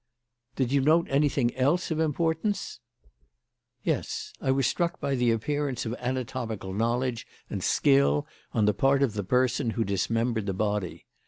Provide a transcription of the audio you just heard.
"Did you note anything else of importance?" "Yes. I was struck by the appearance of anatomical knowledge and skill on the part of the person who dismembered the body.